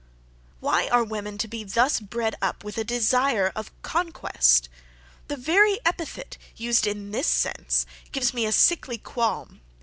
Why are women to be thus bred up with a desire of conquest? the very epithet, used in this sense, gives me a sickly qualm!